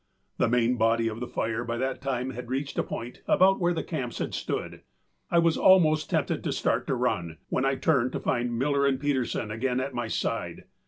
The main body of the fire by that time had reached a point about where the camps had stood. I was almost tempted to start to run, when I turned to find Miller and Peterson again at my side.